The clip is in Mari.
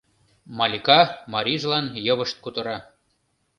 — Малика марийжылан йывышт кутыра.